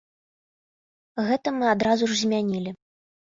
Гэта мы адразу ж змянілі.